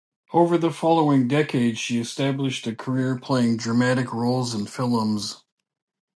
Over the following decade she established a career playing dramatic roles in films.